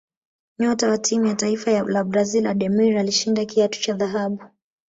nyota wa timu ya taifa ya brazil ademir alishinda kiatu cha dhahabu